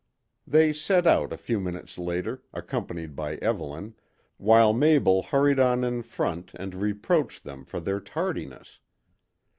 They set out a few minutes later, accompanied by Evelyn, while Mabel hurried on in front and reproached them for their tardiness.